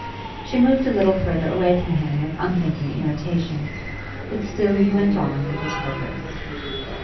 She moved a little further away from him with unthinking irritation; but still he went on with his purpose.